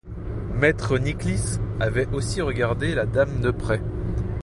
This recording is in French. Maître Niclcss avait aussi regardé la dame de près.